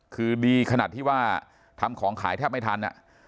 คือดีขนาดที่ว่าทำของขายแทบไม่ทัน